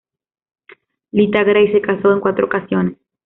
Lita Grey se casó en cuatro ocasiones.